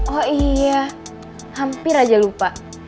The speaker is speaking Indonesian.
oh iya hampir aja lupa